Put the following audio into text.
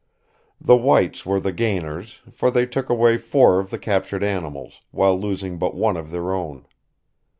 The whites were the gainers, for they took away four of the captured animals, while losing but one of their own.